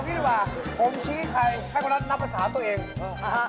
เอางี้ดีกว่า